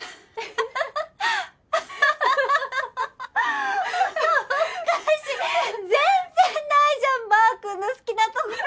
あおかしい！全然ないじゃんマー君の好きなところ！